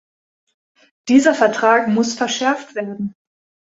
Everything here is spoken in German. Dieser Vertrag muss verschärft werden.